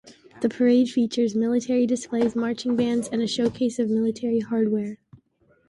The parade features military displays, marching bands, and a showcase of military hardware.